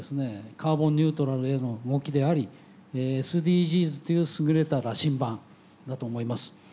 カーボンニュートラルへの動きでありＳＤＧｓっていうすぐれた羅針盤だと思います。